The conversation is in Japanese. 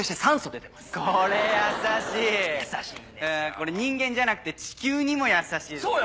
これ人間じゃなくて地球にも優しいっていうね。